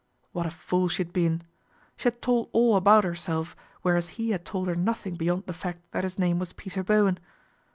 What a fool she had been. She had told all about herself, whereas he had told her nothing beyond the fact that his name was Peter Bowen.